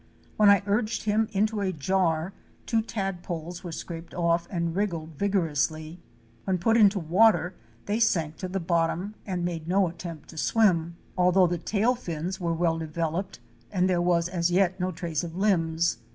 When I urged him into a jar, two tadpoles were scraped off and wriggled vigorously. When put into water they sank to the bottom and made no attempt to swim, 2904 OUR SEARCH FOR A WILDERNESS. although the tail fins were well developed and there was as yet no trace of limbs.